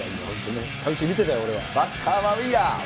バッターはウィーラー。